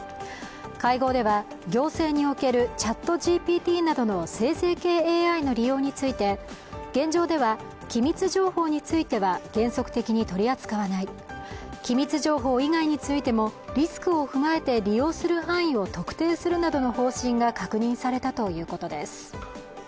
会合では、行政におけるＣｈａｔＧＰＴなどの生成系ＡＩの利用について現状では機密情報については原則的に取り扱わない、機密情報以外についてもリスクを踏まえて利用する範囲を特定するなどの方針が確認されたということです。